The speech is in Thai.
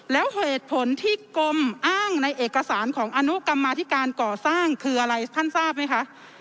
แล้วเหตุผลที่กรมอ้างในเอกสารของอนุกรรมาธิการก่อสร้างคืออะไรท่านทราบไหมคะ